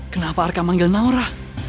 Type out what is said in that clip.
kenapa arka manggil naura